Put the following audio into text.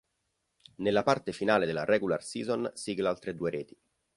Nella parte finale della regular season sigla altre due reti.